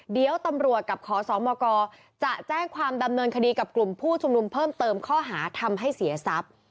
เดี๋ยวตำรวจกับขอสมกจะแจ้งความดำเนินคดีกับกลุ่มผู้ชุมนุมเพิ่มเติมข้อหาทำให้เสียทรัพย์